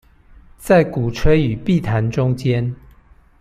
在鼓吹與避談中間